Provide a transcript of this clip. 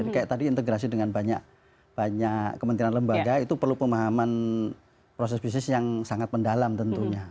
jadi kayak tadi integrasi dengan banyak kementerian lembaga itu perlu pemahaman proses bisnis yang sangat mendalam tentunya